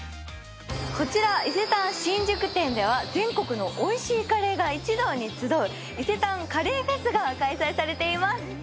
こちら伊勢丹新宿店では全国のおいしいカレーが一堂に集うＩＳＥＴＡＮカレーフェスが開催されています。